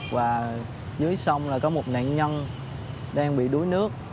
và dưới sông là có một nạn nhân đang bị đuối nước